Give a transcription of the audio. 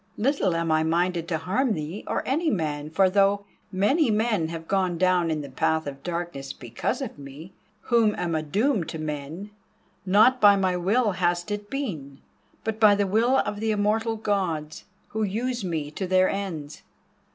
"Little am I minded to harm thee, or any man, for though many men have gone down the path of darkness because of me, who am a doom to men, not by my will has it been, but by the will of the immortal Gods, who use me to their ends.